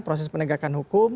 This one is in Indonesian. proses penegakan hukum